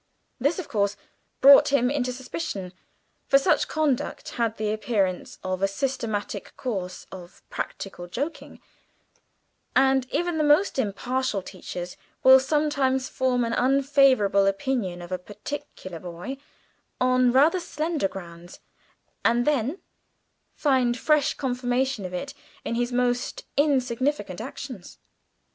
This, of course, brought him into suspicion, for such conduct had the appearance of a systematic course of practical joking, and even the most impartial teachers will sometimes form an unfavourable opinion of a particular boy on rather slender grounds, and then find fresh confirmation of it in his most insignificant actions.